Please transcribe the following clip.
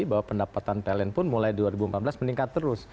bahwa pendapatan pln pun mulai dua ribu empat belas meningkat terus